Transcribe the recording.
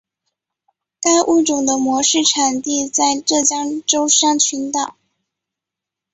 该物种的模式产地在浙江舟山群岛。